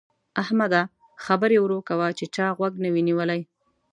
احمده! خبرې ورو کوه چې چا غوږ نه وي نيولی.